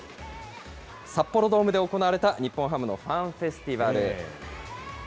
札幌ドームで行われた日本ハムのファンフェスティバル。